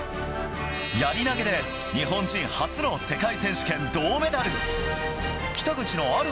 やり投げで日本人初の世界選手権銅メダル。